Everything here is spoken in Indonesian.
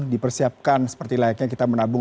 dipersiapkan seperti layaknya kita menabung